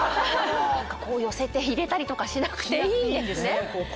寄せて入れたりとかしなくていいんですね。